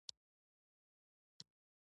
زموږ وسایل خپل تر اندازې ډېر بار وړي.